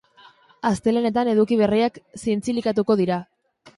Astelehenetan eduki berriak zintzilikatuko dira.